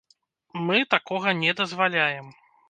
Мы такога не дазваляем.